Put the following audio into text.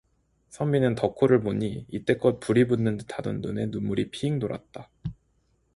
선비는 덕호를 보니 이때껏 불이 붙는 듯하던 눈에 눈물이 핑 돌았다.